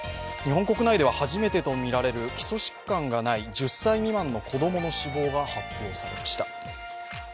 日本国内では初めてとみられる、基礎疾患のない１０歳未満の子供の死亡が発表されました。